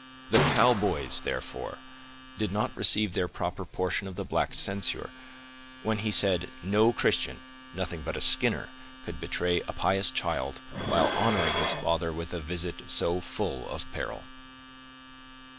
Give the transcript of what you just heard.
The Cowboys, therefore, did not receive their proper portion of the black's censure, when he said, no Christian, nothing but a "Skinner," could betray a pious child, while honoring his father with a visit so full of peril.